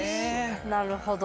なるほど。